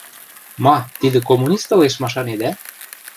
– Ма, тидӹ коммунист ылеш, машанедӓ?